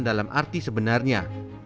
dalam arti sebenarnya